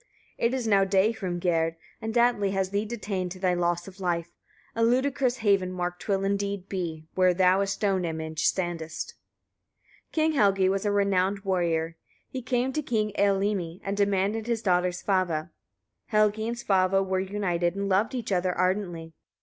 30. It is now day, Hrimgerd! and Atli has thee detained to thy loss of life. A ludicrous haven mark 'twill, indeed, be, where thou a stone image standest. King Helgi was a renowned warrior. He came to King Eylimi and demanded his daughter Svava. Helgi and Svava were united, and loved each other ardently.